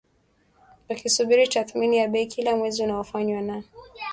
wakisubiri tathmini ya bei kila mwezi inayofanywa na